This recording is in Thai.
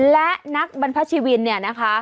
และนักบรรพชิวินเนี่ยนะคะ